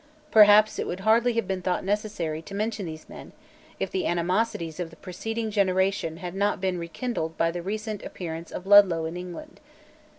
Perhaps it would hardly have been thought necessary to mention these men, if the animosities of the preceding generation had not been rekindled by the recent appearance of Ludlow in England.